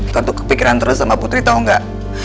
tentu kepikiran terus sama putri tau gak